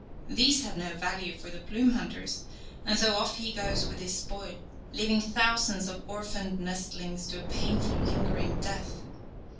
These have no value for the plume hunter, and so off he goes with his spoil, leaving thousands of orphaned nestlings to a painful, lingering death.